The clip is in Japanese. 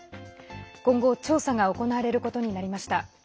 今後、調査が行われることになりました。